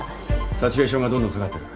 サチュレーションがどんどん下がってる。